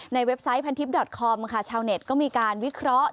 เว็บไซต์พันทิพยอดคอมค่ะชาวเน็ตก็มีการวิเคราะห์